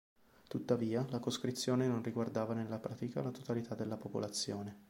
Tuttavia, la coscrizione non riguardava nella pratica la totalità della popolazione.